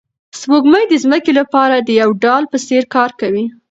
سپوږمۍ د ځمکې لپاره د یو ډال په څېر کار کوي.